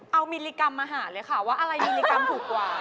เอามีรีกรรมมาหาเลยค่ะว่าอะไรมีรีกรรมถูกไว้